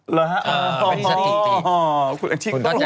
และหรือเป็นสถิติคุณชิคจรรย์ต้องระวังนะฮะ